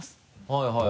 はいはい。